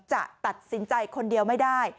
จะตัดสินใจคนเดียวไม่ได้